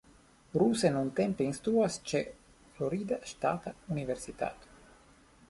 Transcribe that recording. Ruse nuntempe instruas ĉe Florida Ŝtata Universitato.